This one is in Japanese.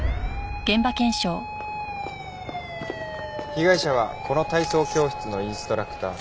被害者はこの体操教室のインストラクター